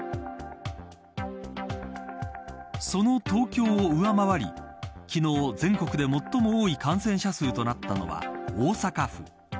その東京を上回り昨日、全国で最も多い感染者数となったのは大阪府。